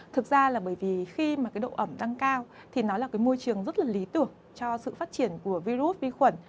thực ra là bởi vì khi mà cái độ ẩm tăng cao thì nó là cái môi trường rất là lý tưởng cho sự phát triển của virus vi khuẩn